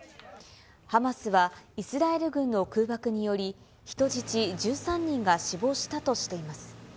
ハマスはイスラエル軍の空爆により、人質１３人が死亡したとしています。